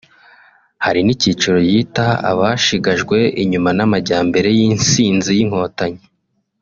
Hari n’icyiciro yita “abashigajwe inyuma n’amajyambere (y’intsinzi y’Inkotanyi)”